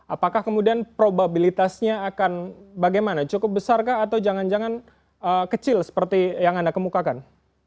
apakah kemudian probabilitasnya akan bagaimana cukup besarkah atau jangan jangan kecil seperti yang anda kemukakan